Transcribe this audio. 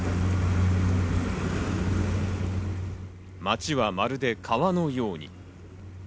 町はまるで川のように。